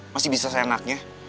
masih bisa seenaknya